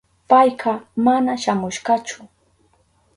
Payka mana shamushkachu.